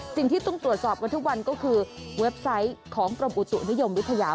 สิ่งที่ต้องตรวจสอบกันทุกวันก็คือเว็บไซต์ของกรมอุตุนิยมวิทยา